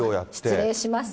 失礼します。